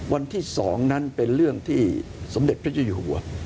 วันที่๒นั้นเป็นเรื่องที่สมเด็จพระเจ้าอยู่หัว